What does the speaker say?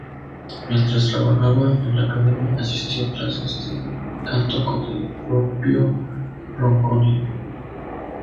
Mientras trabajaba en la academia asistió a clases de canto con el propio Ronconi.